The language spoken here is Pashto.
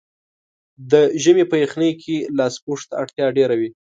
د ژمي په یخنۍ کې لاسپوښو ته اړتیا ډېره وي.